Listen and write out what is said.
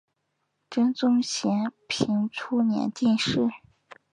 真宗咸平初年进士。